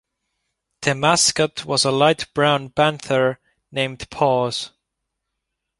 The mascot was a light brown "panther" named Paws.